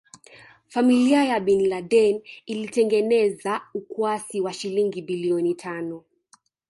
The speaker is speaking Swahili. Familia ya Bin Laden ilitengeneza ukwasi wa shilingi biiloni tano